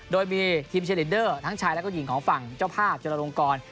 โดยมีทีมเชลิดเดอร์ทั้งชายและก็หญิงของฝั่งเจ้าภาพจุลลงกร